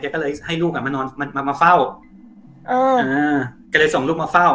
ก็เลยให้ลูกอ่ะมานอนมามาเฝ้าอ่าก็เลยส่งลูกมาเฝ้า